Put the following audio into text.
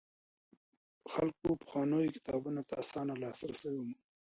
خلکو پخوانيو کتابونو ته اسانه لاسرسی وموند.